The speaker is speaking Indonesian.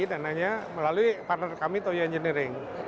dan melalui partner kami toyo engineering